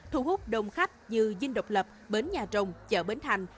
thu hút đông khách như dinh độc lập bến nhà trồng chợ bến thành